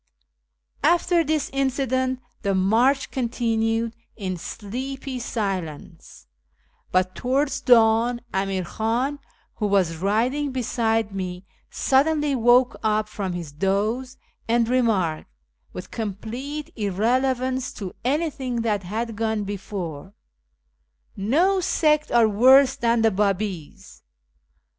After this incident the march continued in sleepy silence ; but towards dawn Amir Khan, who was riding beside me, suddenly woke up from his doze, and remarked, with complete irrelevance to anything that had gone before, " No sect are worse than the Babis."